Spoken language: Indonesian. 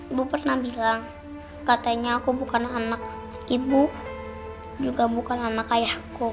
ibu pernah bilang katanya aku bukan anak ibu juga bukan sama kayakku